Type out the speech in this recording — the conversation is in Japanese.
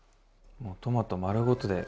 もうトマト丸ごとで。